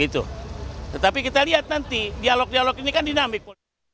tetapi kita lihat nanti dialog dialog ini kan dinamik